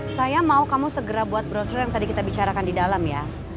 saya mau kamu segera buat brosur yang tadi kita bicarakan di dalam ya